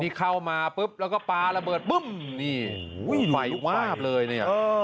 นี่เข้ามาปุ๊บแล้วก็ปลาระเบิดปุ้มนี่ไฟวาบเลยเนี่ยเออ